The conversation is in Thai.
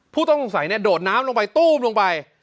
ผู้ต้องสงสัยโดดน้ำลงไปตู้มลงไป